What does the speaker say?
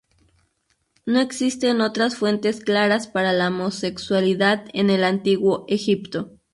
No existen otras fuentes claras para la homosexualidad en el antiguo Egipto.